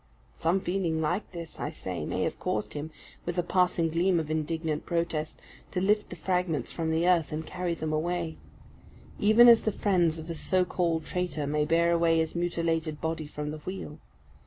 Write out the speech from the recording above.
Some feeling like this, I say, may have caused him, with a passing gleam of indignant protest, to lift the fragments from the earth, and carry them away; even as the friends of a so called traitor may bear away his mutilated body from the wheel.